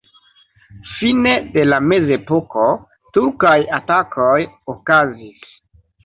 Fine de la mezepoko turkaj atakoj okazis.